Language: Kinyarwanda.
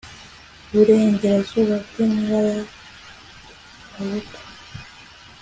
burengerazuba bw intara ya bahutu